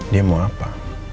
dia mau apa